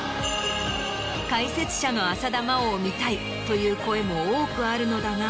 「解説者の浅田真央を見たい」という声も多くあるのだが。